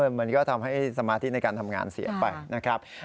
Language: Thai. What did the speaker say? มันก็ทำให้สมาธิในการทำงานเสียไปนะครับ